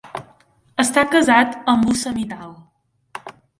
Està casat amb Usha Mittal.